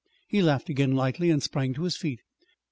He laughed again lightly and sprang to his feet.